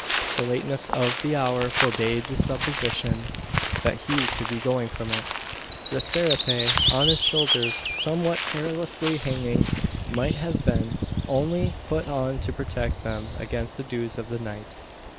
The lateness of the hour forbade the supposition, that he could be going from it. The serape on his shoulders somewhat carelessly hanging might have been only put on to protect them against the dews of the night.